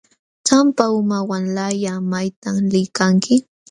Tampa uma wamlalla ¿maytam liykanki?